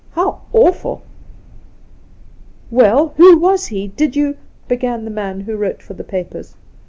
how awful !'' Well, who was he 1 Did you ' began the man who wrote for the papers.